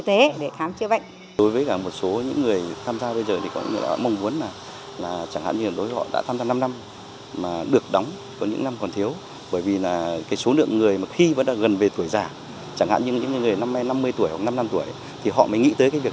năm mươi tuổi hoặc năm mươi năm tuổi thì họ mới nghĩ tới cái việc đó thì họ đã hết cơ hội tham gia